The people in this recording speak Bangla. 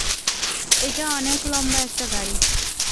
এটা অনেক লম্বা একটা গাড়ি।